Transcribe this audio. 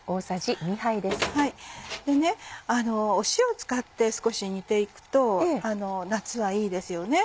で塩を使って少し煮て行くと夏はいいですよね。